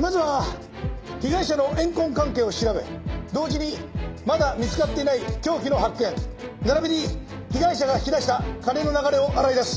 まずは被害者の怨恨関係を調べ同時にまだ見つかっていない凶器の発見並びに被害者が引き出した金の流れを洗い出す。